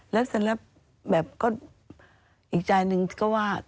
แล้วเสร็จแล้วแบบก็อีกใจหนึ่งก็ว่า